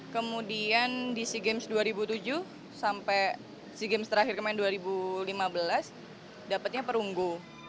kemudian di sea games dua ribu tujuh sampai sea games terakhir kemarin dua ribu lima belas dapetnya perunggu